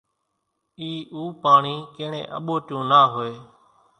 اِي اُو پاڻي ڪيڻيئين اٻوٽيون نا ھوئي،